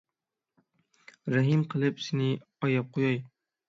رەھىم قىلىپ سېنى ئاياپ قوياي.